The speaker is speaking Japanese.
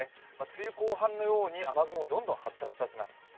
梅雨後半のように雨雲をどんどん発達させます。